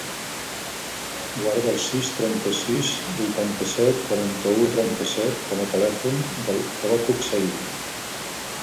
Guarda el sis, trenta-sis, vuitanta-set, quaranta-u, trenta-set com a telèfon del Abacuc Saidi.